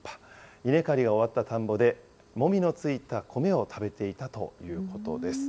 稲刈りが終わった田んぼで、もみの付いた米を食べていたということです。